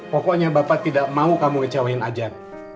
pokoknya bapak tidak mau kamu ngecewain ajat